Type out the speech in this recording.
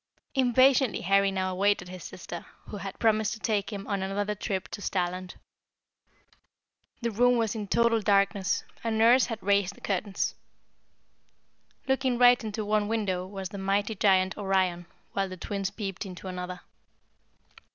Impatiently Harry now awaited his sister, who had promised to take him on another trip to starland. The room was in total darkness, and nurse had raised the curtains. Looking right into one window was the mighty giant Orion, while the Twins peeped into another.